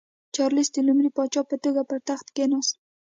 چارلېس د لومړي پاچا په توګه پر تخت کېناست.